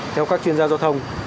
theo các chuyên gia giao thông